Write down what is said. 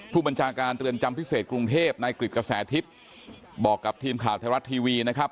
ผู้บัญชาการเรือนจำพิเศษกรุงเทพนายกริจกระแสทิพย์บอกกับทีมข่าวไทยรัฐทีวีนะครับ